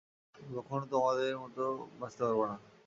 আমি কখনো তোমাদের মতো বাঁচতে পারবো না।